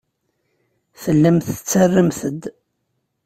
Tellamt tettarramt-d.